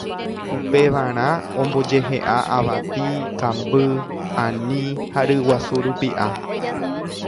Upevarã ombojehe'a avati, kamby, ani ha ryguasu rupi'a